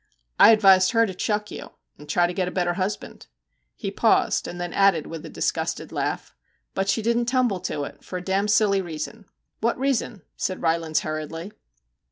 I 1 advised her to chuck you and try to get a better husband.' He paused, and then added with a disgusted laugh, * But she didn't tumble to it, for a d d silly reason.' * What reason ?' said Rylands hurriedly.